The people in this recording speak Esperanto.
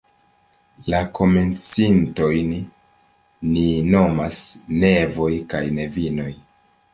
La komencintojn ni nomas "nevoj" kaj "nevinoj".